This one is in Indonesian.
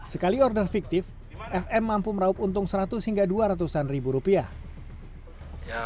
sekali order fiktif fm mampu meraup untung seratus hingga dua ratus an ribu rupiah